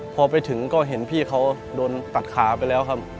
พอไปถึงก็เห็นพี่เขาโดนตัดขาไปแล้วครับ